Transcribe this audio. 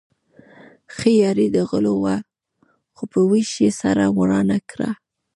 ښه یاري د غلو وه خو په وېش يې سره ورانه کړه.